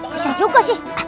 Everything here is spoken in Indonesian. bisa juga sih